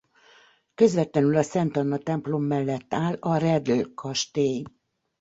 Közvetlenül a Szent Anna-templom mellett áll a Redl-kastély.